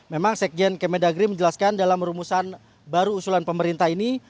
memang sekjen kemendagri menjelaskan dalam rumusan baru usulan pemerintah ini